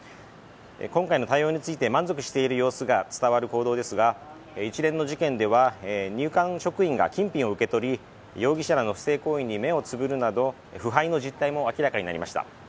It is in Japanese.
今回の対応について満足している様子が伝わる報道ですが一連の事件では入管職員が金品を受け取り容疑者らの不正行為に目をつむるなど腐敗の実態も明らかになりました。